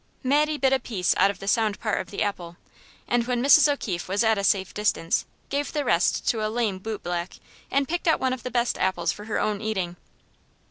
Mattie bit a piece out of the sound part of the apple, and, when Mrs. O'Keefe was at a safe distance, gave the rest to a lame bootblack, and picked out one of the best apples for her own eating.